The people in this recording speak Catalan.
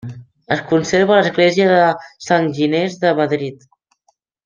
Es conserva a l'Església de Sant Ginés de Madrid.